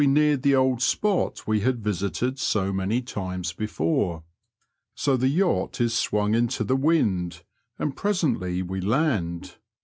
117 Beared the old spot we had visited so many times before. So the yacht is swung into the wind, and presently we land.